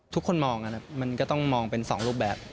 ทุกคนมองอ่ะนะครับมันก็ต้องมองเป็นสองรูปแบบ